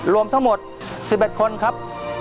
รวมทั้งหมด๑๑คนครับ